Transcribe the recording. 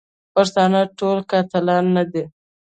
پښتانه ټول قاتلان نه دي.